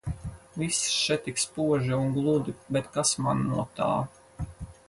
Viss še tik spoži un gludi, bet kas man no tā.